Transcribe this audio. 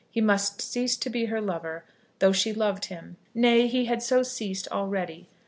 He must cease to be her lover, though she loved him. Nay, he had so ceased already.